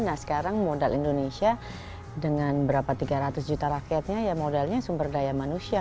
nah sekarang modal indonesia dengan berapa tiga ratus juta rakyatnya ya modalnya sumber daya manusia